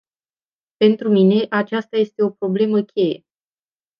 Pentru mine, aceasta este o problemă cheie.